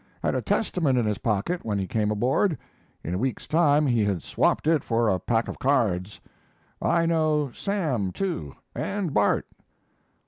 Had a Testament in his pocket when he came aboard; in a week's time he had swapped it for a pack of cards. I know Sam, too, and Bart."